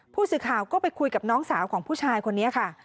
ผู้สื่อข่าวก็ไปคุยกับน้องสาวของผู้ชายคนนี้ค่ะ